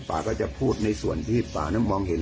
ปาร์ก็จะพูดในส่วนที่ปาร์มามองเห็น